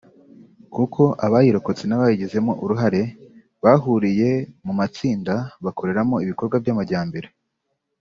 kuko abayirokotse n’abayigizemo uruhare bahuriye mu matsinda bakoreramo ibikorwa by’amajyambere